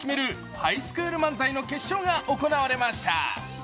ハイスクールマンザイの決勝が行われました。